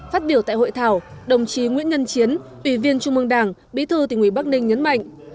phát biểu tại hội thảo đồng chí nguyễn nhân chiến ủy viên trung mương đảng bí thư tỉnh ủy bắc ninh nhấn mạnh